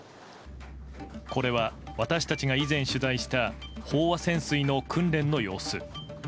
これは私たちが以前取材した飽和潜水の訓練の様子。